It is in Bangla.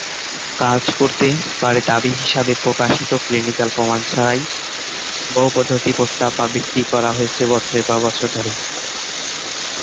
কাজ করতে পারে দাবি হিসাবে প্রকাশিত ক্লিনিকাল প্রমাণ ছাড়াই বহু পদ্ধতি প্রস্তাব বা বিক্রি করা হয়েছে বছরের পর বছর ধরে।